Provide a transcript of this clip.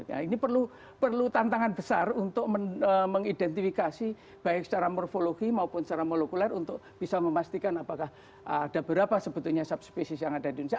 nah ini perlu tantangan besar untuk mengidentifikasi baik secara morfologi maupun secara molekuler untuk bisa memastikan apakah ada berapa sebetulnya sub species yang ada di indonesia